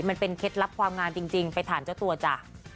เคล็ดลับความงามจริงไปถามเจ้าตัวจ้ะ